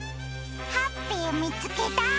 ハッピーみつけた！